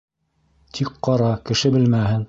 Тик ҡара: кеше белмәһен.